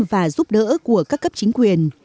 và giúp đỡ của các cấp chính quyền